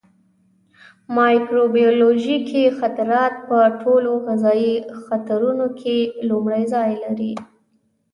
مایکروبیولوژیکي خطرات په ټولو غذایي خطرونو کې لومړی ځای لري.